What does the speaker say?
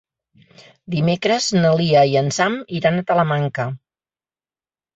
Dimecres na Lia i en Sam iran a Talamanca.